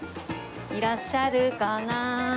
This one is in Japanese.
いらっしゃるかな？